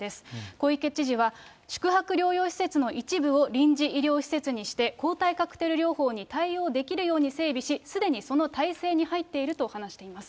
小池知事は、宿泊療養施設の一部を臨時医療施設にして、抗体カクテル療法に対応できるように整備し、すでにその体制に入っていると話しています。